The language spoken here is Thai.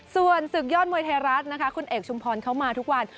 ส่วนศึกยอดมวยไทยรัฐนะคะคุณเอกชุมพรเขามาทุกวัน